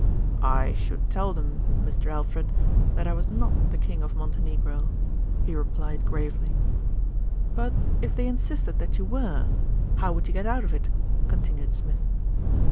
"I should tell them, Mr. Alfred, that I was not the King of Montenegro," he replied gravely. "But if they insisted that you were, how would you get out of it?" continued Smith.